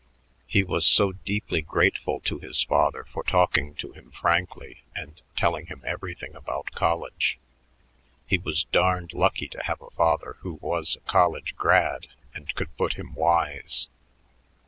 He was so deeply grateful to his father for talking to him frankly and telling him everything about college. He was darned lucky to have a father who was a college grad and could put him wise.